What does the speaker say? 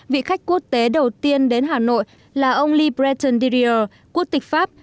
vị khách quốc tế đầu tiên đến hà nội là ông lee breton drier quốc tịch pháp